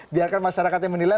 biarkan masyarakatnya menilai